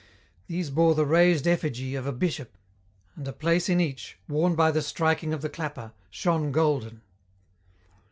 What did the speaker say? These bore the raised effigy of a bishop, and a place in each, worn by the striking of the clapper, shone golden.